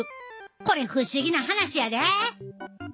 これ不思議な話やで。